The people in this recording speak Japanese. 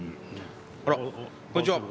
あら、こんにちは。